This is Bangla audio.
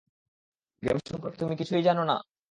গেম সম্পর্কে তুমি কিছুই জানো না?